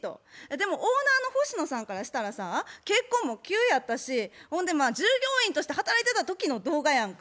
でもオーナーの星野さんからしたらさ結婚も急やったしほんで従業員として働いてた時の動画やんか。